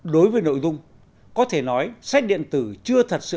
đối với nội dung có thể nói sách điện tử chưa thật sự